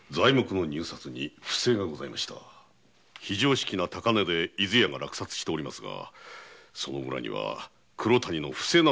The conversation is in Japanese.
非常識な高値で伊豆屋が落札しておりますがその裏には黒谷の不正な操作があったと思われます。